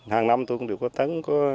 hàng năm tôi cũng đều có tấn có